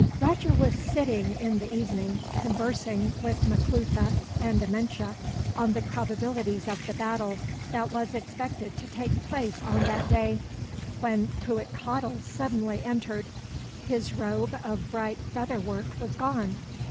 Roger was sitting in the evening, conversing with Maclutha and Amenche on the probabilities of the battle that was expected to take place on that day, when Cuitcatl suddenly entered. His robe of bright feather work was gone.